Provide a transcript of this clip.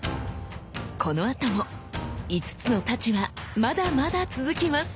このあとも五津之太刀はまだまだ続きます。